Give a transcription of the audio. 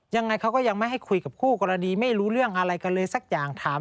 ยังไงเขาก็ยังไม่ให้คุยกับคู่กรณีไม่รู้เรื่องอะไรกันเลยสักอย่างถาม